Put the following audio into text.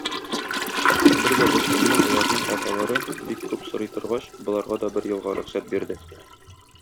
Бер дә беркөнне боларның аталары, бик күп сорый торгач, боларга да бер елга рөхсәт бирде.